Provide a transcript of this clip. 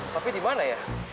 tapi dimana ya